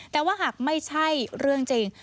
แต่ว่าหากไม่ใช่เรื่องจริง